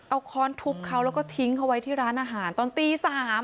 เอาค้อนทุบเขาแล้วก็ทิ้งเขาไว้ที่ร้านอาหารตอนตี๓